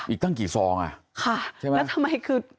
อีกตั้งกี่ซองอ่ะค่ะใช่ไหมแล้วทำไมคือ